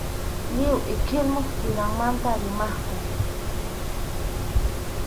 Lliw ihilmum tirinmanta rimaqku.